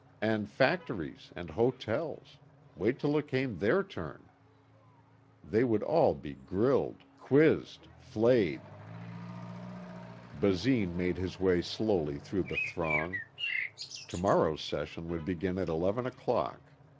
And factories and hotels wait till it came their turn. They would all be grilled, quizzed, flayed. Basine made his way slowly through the throng. Tomorrow's session would begin at eleven o'clock.